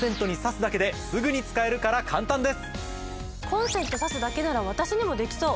コンセント挿すだけなら私にもできそう。